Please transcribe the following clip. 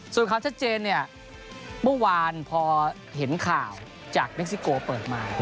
ส่วนความชัดเจนเนี่ยเมื่อวานพอเห็นข่าวจากเม็กซิโกเปิดมา